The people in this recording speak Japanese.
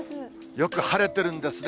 よく晴れてるんですね。